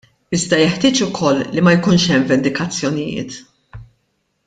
Iżda jeħtieġ ukoll li ma jkunx hemm vendikazzjonijiet.